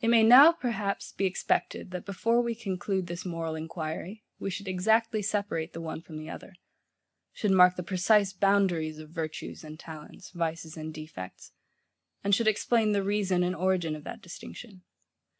It may now, perhaps, be expected that before we conclude this moral enquiry, we should exactly separate the one from the other; should mark the precise boundaries of virtues and talents, vices and defects; and should explain the reason and origin of that distinction.